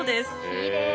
きれい。